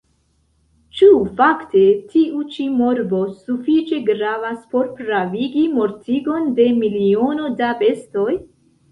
Ĉu fakte tiu ĉi morbo sufiĉe gravas por pravigi mortigon de miliono da bestoj?